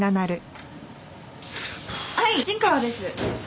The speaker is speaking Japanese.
はい陣川です。